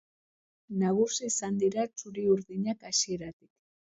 Nagusi izan dira txuri-urdinak hasieratik.